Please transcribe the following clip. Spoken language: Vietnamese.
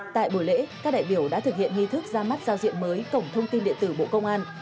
tại buổi lễ các đại biểu đã thực hiện nghi thức ra mắt giao diện mới cổng thông tin điện tử bộ công an